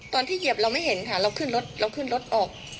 เหยียบเราไม่เห็นค่ะเราขึ้นรถเราขึ้นรถออก